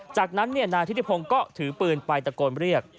จากนั้นนายทิติพงศ์ก็ถือปืนไปตะโกนเรียก